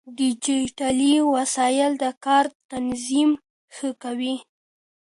ډيجيټلي وسايل د کار تنظيم ښه کوي.